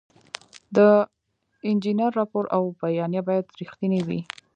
د انجینر راپور او بیانیه باید رښتینې وي.